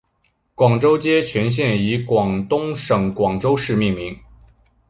广州街全线以广东省广州市命名。